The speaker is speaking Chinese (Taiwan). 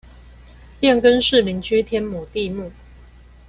變更士林區天母地目